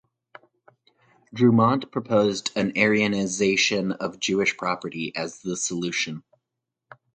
Drumont proposed an aryanization of Jewish property as the solution.